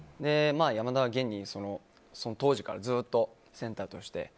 山田は現に、当時からずっとセンターとしてＨｅｙ！